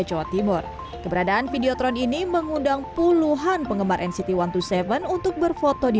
jawa timur keberadaan videotron ini mengundang puluhan penggemar nct satu ratus dua puluh tujuh untuk berfoto di